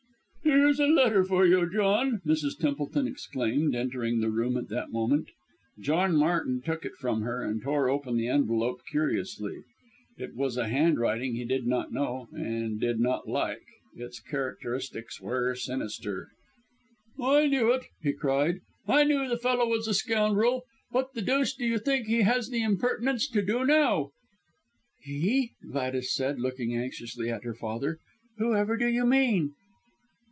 "Here's a letter for you, John," Mrs. Templeton exclaimed, entering the room at that moment. John Martin took it from her, and tore open the envelope curiously. It was a handwriting he did not know, and did not like its characteristics were sinister. "I knew it!" he cried; "I knew the fellow was a scoundrel. What the deuce do you think he has the impertinence to do now?" "He!" Gladys said, looking anxiously at her father. "Whoever do you mean?"